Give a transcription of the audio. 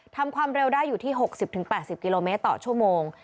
ทำความเร็วได้อยู่ที่๖๐๘๐กิโลเมตรต่อชั่วโมง